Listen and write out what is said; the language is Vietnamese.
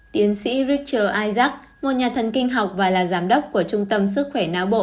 tiến sĩ richter izak một nhà thần kinh học và là giám đốc của trung tâm sức khỏe não bộ